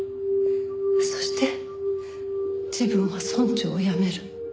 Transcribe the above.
そして自分は村長を辞める。